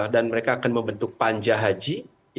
dan mereka akan membentuk panja haji